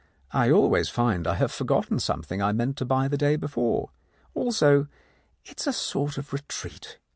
I always find I have forgotten something I meant to buy the day before. Also, it is a sort of retreat.